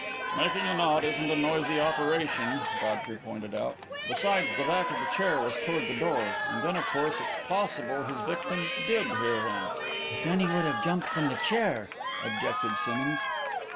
"Making a knot isn't a noisy operation," Godfrey pointed out; "besides, the back of the chair was toward the door. And then, of course, it's possible his victim did hear him." "But then he would have jumped from the chair," objected Simmonds.